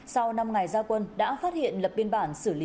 sau năm ngày gia quân đã phát hiện lập biên bản